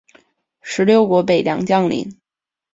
十六国北凉将领。